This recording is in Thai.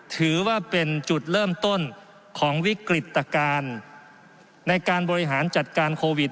ถือว่าเป็นจุดเริ่มต้นของวิกฤตการณ์ในการบริหารจัดการโควิด